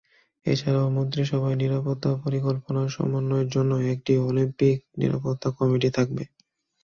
এছাড়াও মন্ত্রীসভায় নিরাপত্তা পরিকল্পনা সমন্বয়ের জন্য একটি অলিম্পিক নিরাপত্তা কমিটি থাকবে।